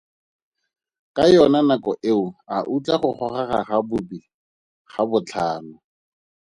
Ka yona nako eo, a utlwa go gogega ga bobi ga botlhano.